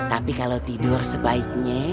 tapi kalo tidur sebaiknya